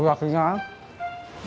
terusin aja makan ya